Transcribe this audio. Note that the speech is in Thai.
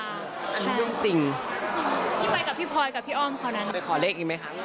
อันนี้เรื่องจริงพี่ไปกับพี่พลอยกับพี่อ้อมเขานั้นไปขอเลขนี้ไหมคะ